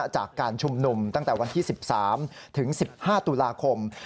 จากการชุมนุมตั้งแต่วันที่๑๓ถึง๑๕ตุลาคม